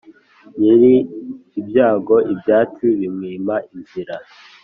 Nyiri ibyago ibyatsi bimwima inzira.